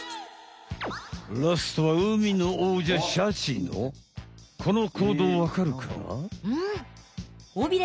ラストは海のおうじゃシャチのこの行動わかるかな？